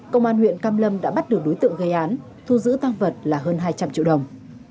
công an huyện cam lâm đã bắt được đối tượng gây án thu giữ tăng vật là hơn hai trăm linh triệu đồng